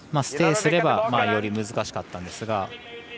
ステイすればより難しかったですが。